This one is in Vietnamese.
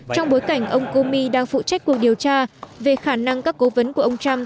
trong bối cảnh ông komi đang phụ trách cuộc điều tra về khả năng các cố vấn của ông trump